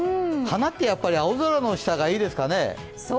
花って、やっぱり青空の下がいいですかね。